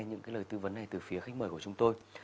những cái lời tư vấn này từ phía khách mời của chúng tôi